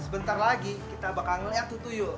sebentar lagi kita bakal ngeliat tutuyul